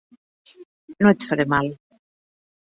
No et faré mal.